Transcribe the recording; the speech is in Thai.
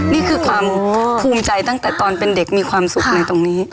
นี่คือความภูมิใจตั้งแต่ตอนเป็นเด็กมีความสุขในตรงนี้